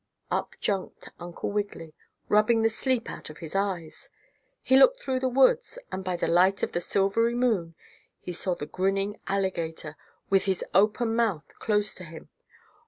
Up jumped Uncle Wiggily, rubbing the sleep out of his eyes. He looked through the woods, and by the light of the silvery moon he saw the grinning alligator, with his open mouth, close to him.